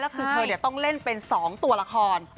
แล้วคือเธอเนี่ยต้องเล่นเป็น๒ตัวละคร